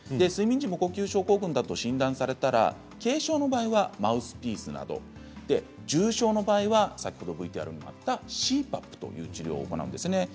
睡眠時無呼吸症候群だと診断されたら軽症の場合はマウスピースなどで重症の場合は先ほどＶＴＲにもあったＣＰＡＰという治療を行うんですね。